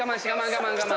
我慢我慢！